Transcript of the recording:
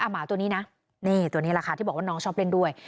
หมาตัวนี้นะนี่ตัวนี้แหละค่ะที่บอกว่าน้องชอบเล่นด้วย